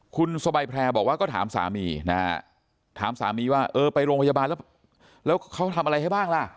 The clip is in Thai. คุณสบายแพร่บอกว่าก็ถามสามีนะฮะถามสามีว่าเออไปโรงพยาบาลแล้วเขาทำอะไรให้บ้างล่ะ